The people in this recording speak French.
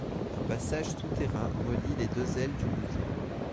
Un passage souterrain relie les deux ailes du musée.